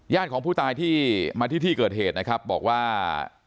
ของผู้ตายที่มาที่ที่เกิดเหตุนะครับบอกว่า